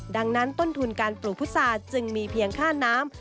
ดังนั้นต้นทุนการปลูกพุษาจึงมีเพียงค่าน้ำ